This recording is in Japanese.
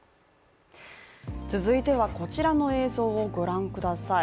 続いてはこちらの映像をご覧ください。